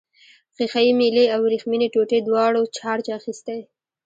ښيښه یي میلې او وریښمينې ټوټې دواړو چارج اخیستی.